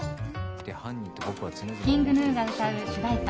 ＫｉｎｇＧｎｕが歌う主題歌